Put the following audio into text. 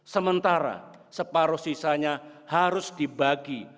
sementara separuh sisanya harus dibagi